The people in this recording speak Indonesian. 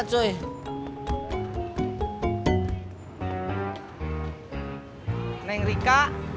baru pulang kerja